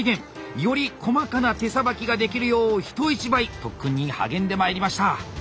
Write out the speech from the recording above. より細かな手さばきができるよう人一倍特訓に励んでまいりました。